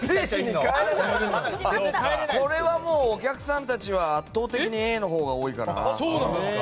これはお客さんたちは圧倒的にＡのほうが多いかな。